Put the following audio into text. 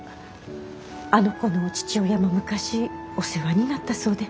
あの子の父親も昔お世話になったそうで。